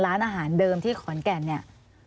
ร้านอาหารเดิมที่ขอนแก่นเนี่ย